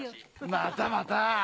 またまたぁ。